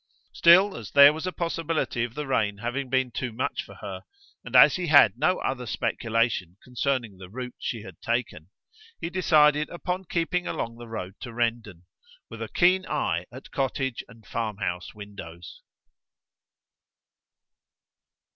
Still, as there was a possibility of the rain having been too much for her, and as he had no other speculation concerning the route she had taken, he decided upon keeping along the road to Rendon, with a keen eye at cottage and farmhouse windows.